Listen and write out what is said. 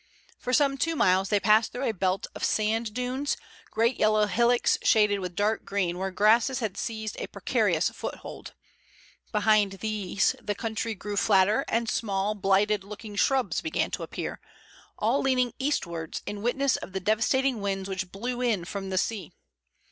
For some two miles they passed through a belt of sand dunes, great yellow hillocks shaded with dark green where grasses had seized a precarious foothold. Behind these the country grew flatter, and small, blighted looking shrubs began to appear, all leaning eastwards in witness of the devastating winds which blew in from the sea.